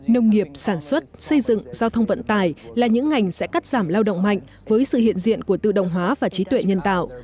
nông nghiệp sản xuất xây dựng giao thông vận tài là những ngành sẽ cắt giảm lao động mạnh với sự hiện diện của tự động hóa và trí tuệ nhân tạo